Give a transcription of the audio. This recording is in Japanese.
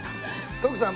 徳さん